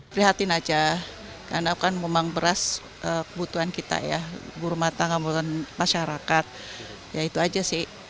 prihatin aja karena memang beras kebutuhan kita ya buru mata kebutuhan masyarakat ya itu aja sih